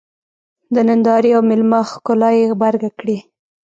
د نندارې او مېلمه ښکلا یې غبرګه کړې.